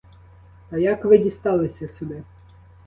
Та як ви дісталися сюди?